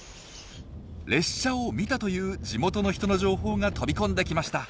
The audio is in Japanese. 列車を見たという地元の人の情報が飛び込んできました。